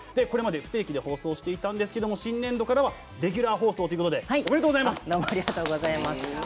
これまで不定期で放送していたんですけれども新年度からはレギュラー放送ということでありがとうございます。